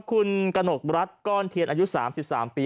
คุณกนกรัฐก้อนเทียนอายุ๓๓ปี